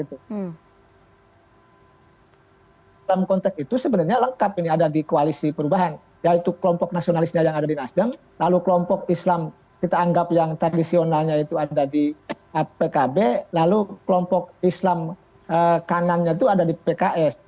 dalam konteks itu sebenarnya lengkap ini ada di koalisi perubahan yaitu kelompok nasionalisnya yang ada di nasdem lalu kelompok islam kita anggap yang tradisionalnya itu ada di pkb lalu kelompok islam kanannya itu ada di pks